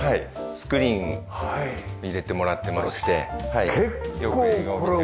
スクリーン入れてもらってましてよく映画を見てます。